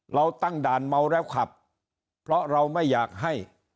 เราตั้งด่านเมาแล้วขับเพราะเราไม่อยากให้